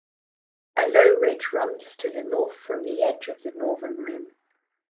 A low ridge runs to the north from the edge of the northern rim.